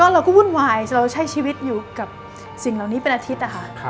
เราก็วุ่นวายเราใช้ชีวิตอยู่กับสิ่งเหล่านี้เป็นอาทิตย์นะคะ